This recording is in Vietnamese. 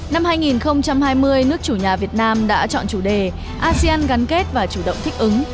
năm hai nghìn hai mươi nước chủ nhà việt nam đã chọn chủ đề asean gắn kết và chủ động thích ứng